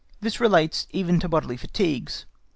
This relates even to bodily fatigues.